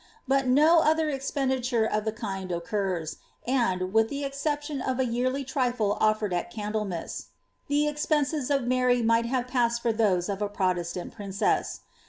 But no otiier expenditure of the kind occurs, and, with the exception of a yearly trifle ullered at Candlemas, the expenses of Mary might have passed for those of a Pro testant princess.